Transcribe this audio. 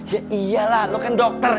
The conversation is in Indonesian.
ya iyalah lo kan dokter